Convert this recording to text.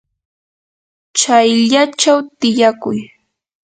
chayllachaw tiyakuy.